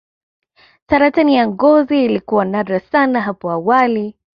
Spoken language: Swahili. saratani ya ngozi ilikuwa nadra sana hapo awali